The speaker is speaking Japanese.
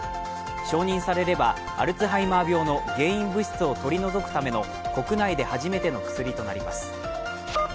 承認されれば、アルツハイマー病の原因物質を取り除くための国内で初めての薬となります。